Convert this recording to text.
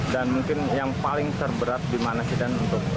dan mungkin yang paling terberat di mana dan untuk